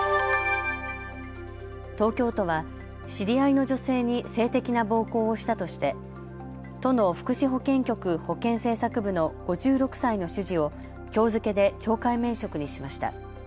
東京都は知り合いの女性に性的な暴行をしたとして都の福祉保健局保健政策部の５６歳の主事を、きょう付けで懲戒免職にしました。